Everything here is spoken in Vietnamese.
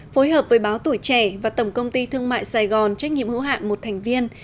phối hợp với báo tuổi trẻ và tổng công ty thương mại sài gòn trách nhiệm hữu hạn một thành viên